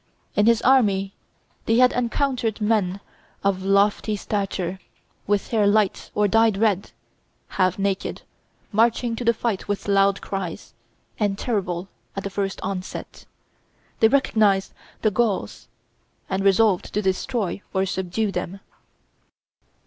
In his army they had encountered men of lofty stature, with hair light or dyed red, half naked, marching to the fight with loud cries, and terrible at the first onset. They recognized the Gauls, and resolved to destroy or subdue them.